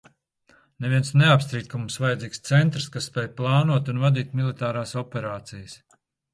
Neviens neapstrīd, ka mums vajadzīgs centrs, kas spēj plānot un vadīt militārās operācijas.